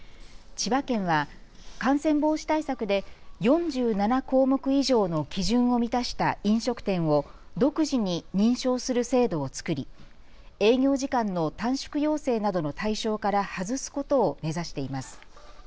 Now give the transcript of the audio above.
千葉県は感染防止対策で４７項目以上の基準を満たした飲食店を独自に認証する制度を作り営業時間の短縮要請などの対象から外すことを目指しています。